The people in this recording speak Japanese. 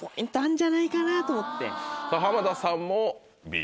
濱田さんもＢ。